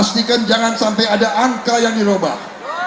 pastikan jangan sampai ada angka yang dirubah